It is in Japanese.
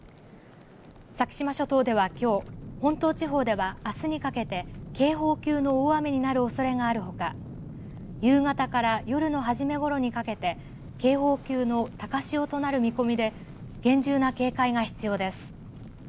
先島諸島では、きょう本島地方では、あすにかけて警報級の大雨になるおそれがあるほか夕方から夜の初めごろにかけて警報級の高潮となる見込みで厳重な警戒が必要です。